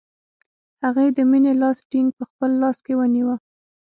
هغې د مینې لاس ټینګ په خپل لاس کې ونیوه